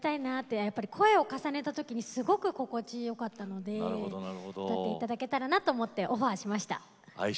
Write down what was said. やっぱり声を重ねた時にすごく心地よかったので歌っていただけたらなと思ったのでオファーしました。